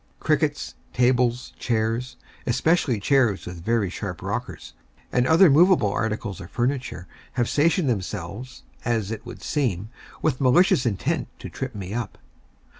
Crickets, tables, chairs (especially chairs with very sharp rockers), and other movable articles of furniture, have stationed themselves, as it would seem, with malicious intent to trip me up.